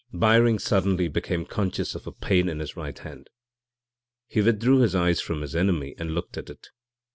< 6 > Byring suddenly became conscious of a pain in his right hand. He withdrew his eyes from his enemy and looked at it.